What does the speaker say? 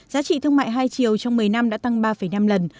giá trị thương mại hai triệu trong một mươi năm đã tăng ba năm lần